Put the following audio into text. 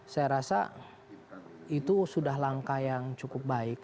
saya rasa itu sudah langkah yang cukup baik